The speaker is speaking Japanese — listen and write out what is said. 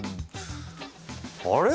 あれ？